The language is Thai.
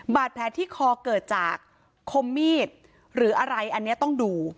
บาดแผลที่คอเกิดจากคมมีดหรืออะไรอันนี้ต้องดู